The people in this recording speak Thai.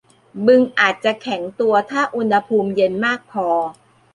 บึงอาจจะแข็งตัวถ้าอุณหภูมิเย็นมากพอ